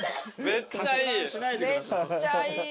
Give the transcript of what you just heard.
めっちゃいい。